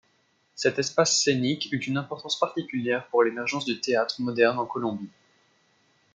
Cet espace scénique eut une importance particulière pour l'émergence du théâtre moderne en Colombie.